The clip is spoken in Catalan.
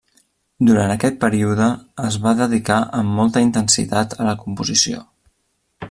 Durant aquest període es va dedicar amb molta intensitat a la composició.